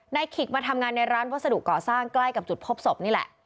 ขิกมาทำงานในร้านวัสดุก่อสร้างใกล้กับจุดพบศพนี่แหละ